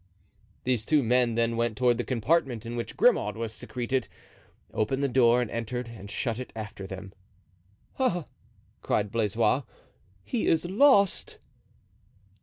These two men then went toward the compartment in which Grimaud was secreted; opened the door, entered and shut it after them. "Ah!" cried Blaisois, "he is lost!"